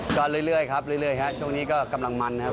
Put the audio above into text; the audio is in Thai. ก็เรื่อยครับเรื่อยครับช่วงนี้ก็กำลังมันนะครับ